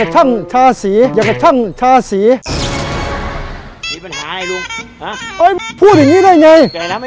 แบบกระชั่งทาสีอย่างกระชั่งทาสีปัญหาไอ้ลุงอะเอ้ยพูดอย่างงี้ได้ไง